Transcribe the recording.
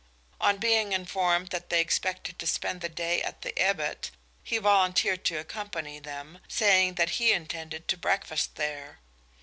On being informed that they expected to spend the day at the Ebbitt, he volunteered to accompany them, saying that he intended to breakfast there.